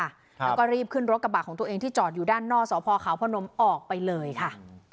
แล้วก็รีบขึ้นรถกระบะของตัวเองที่จอดอยู่ด้านนอกสพขาวพนมออกไปเลยค่ะ